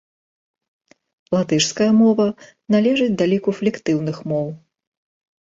Латышская мова належыць да ліку флектыўных моў.